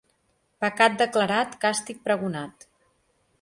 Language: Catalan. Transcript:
Pecat declarat, càstig pregonat.